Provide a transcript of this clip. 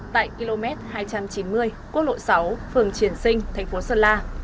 tại km hai trăm chín mươi quốc lộ sáu phường triển sinh tp sơn la